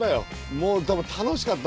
もう楽しかった。